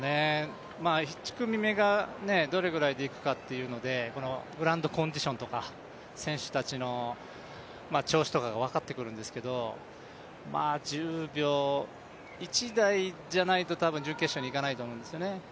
１組目がどれくらいでいくかというので、グランドコンディションとか選手の調子が分かってくるんですけど１０秒１台じゃないと準決勝にいかないと思うんです。